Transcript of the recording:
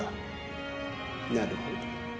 なるほど。